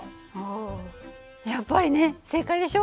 おやっぱりね正解でしょ。